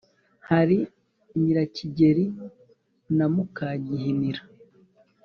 hari nyirakigeli na muka-gihinira.